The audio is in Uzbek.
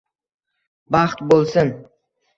baxt bo’lsin